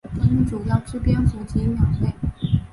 它们主要吃蝙蝠及鸟类。